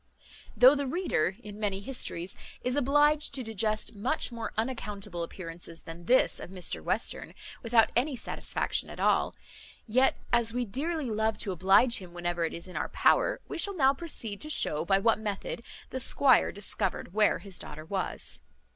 Though the reader, in many histories, is obliged to digest much more unaccountable appearances than this of Mr Western, without any satisfaction at all; yet, as we dearly love to oblige him whenever it is in our power, we shall now proceed to shew by what method the squire discovered where his daughter was.